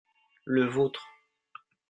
le vôtre.